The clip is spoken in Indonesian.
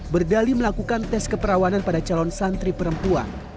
berdali melakukan tes keperawanan pada calon santri perempuan